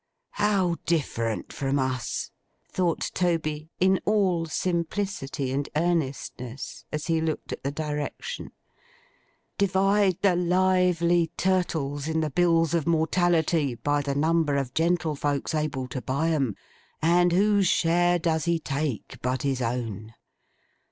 'How different from us!' thought Toby, in all simplicity and earnestness, as he looked at the direction. 'Divide the lively turtles in the bills of mortality, by the number of gentlefolks able to buy 'em; and whose share does he take but his own!